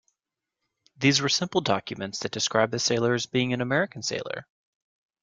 These were simple documents that described the sailor as being an American sailor.